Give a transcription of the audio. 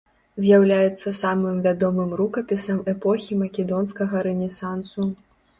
З'яўляецца самым вядомым рукапісам эпохі македонскага рэнесансу.